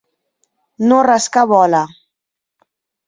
No rascar bola.